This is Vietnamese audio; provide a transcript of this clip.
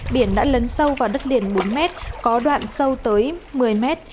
biển đã lấn sâu vào đất liền bốn mét có đoạn sâu tới một mươi mét